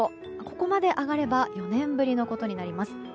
ここまで上がれば４年ぶりのことになります。